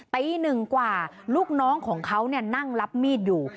ตีหนึ่งกว่าลูกน้องของเขานั่งรับมีดอยู่